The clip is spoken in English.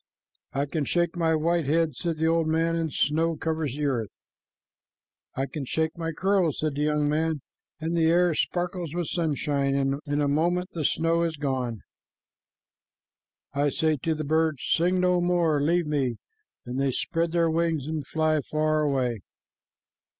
"I shake my white head," said the old man, "and snow covers the earth." "I shake my curls," said the young man, "and the air sparkles with sunshine. In a moment the snow is gone." "I say to the birds, 'Sing no more. Leave me,' and they spread their wings and fly far away."